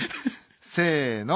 せの。